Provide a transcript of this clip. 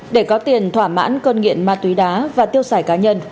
để có tiền thỏa mãn cơn nghiện ma túy đá và tiêu xài cá nhân